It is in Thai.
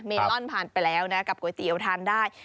เมลอนผ่านไปแล้วนะกับก๋วยเตี๋ยวทานได้